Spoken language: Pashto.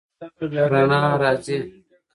رڼا راځي